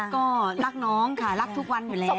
ก็รักน้องค่ะรักทุกวันอยู่แล้ว